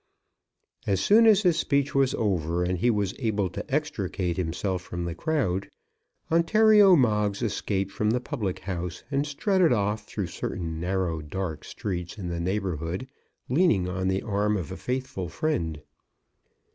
As soon as his speech was over and he was able to extricate himself from the crowd, Ontario Moggs escaped from the public house and strutted off through certain narrow, dark streets in the neighbourhood, leaning on the arm of a faithful friend.